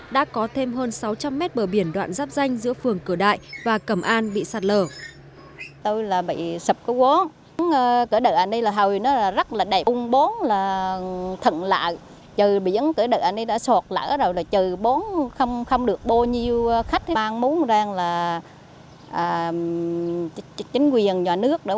đã có thêm hơn sáu trăm linh mét bờ biển đoạn giáp danh giữa phường cửa đại và cầm an bị sạt lở